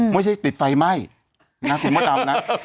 ไม่ใช่ติดไฟไหม้นะคุณมดดำนะ